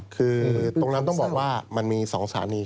คือตรงนั้นต้องบอกว่ามันมี๒สถานี